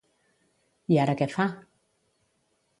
I ara què fa?